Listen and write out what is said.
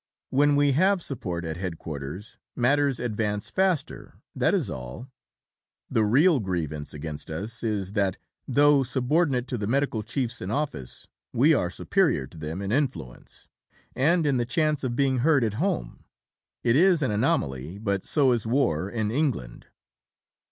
When we have support at Headquarters matters advance faster, that is all. The real grievance against us is that, though subordinate to the Medical Chiefs in Office, we are superior to them in influence and in the chance of being heard at home. It is an anomaly, but so is war in England."